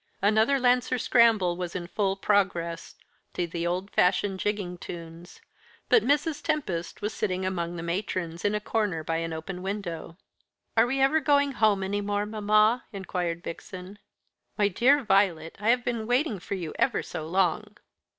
Another Lancer scramble was in full progress, to the old fashioned jigging tunes, but Mrs. Tempest was sitting among the matrons in a corner by an open window. "Are we ever going home any more, mamma?" inquired Vixen. "My dear Violet, I have been waiting for you ever so long."